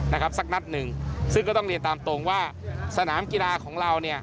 นะครับสักนัดหนึ่งซึ่งก็ต้องเรียนตามตรงว่าสนามกีฬาของเราเนี่ย